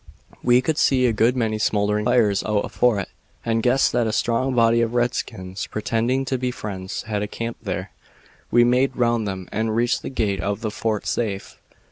"We could see a good many smoldering fires out afore it, and guessed that a strong body of redskins, pretending to be friends, had camped there. We made round 'em and reached the gate of the fort safe.